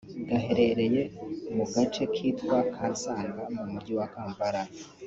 gaherereye mu gace kitwa Kansanga mu Mujyi wa Kampala